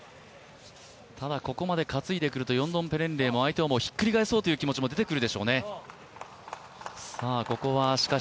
ただここまで担いでくると、ヨンドンペレンレイも相手をひっくり返そうという思いも出てくるでしょうね。